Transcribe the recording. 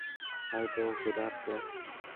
হয়তো ও ক্ষুধার্ত।